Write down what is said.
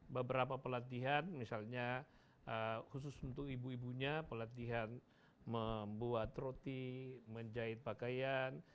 beberapa pelatihan misalnya khusus untuk ibu ibunya pelatihan membuat roti menjahit pakaian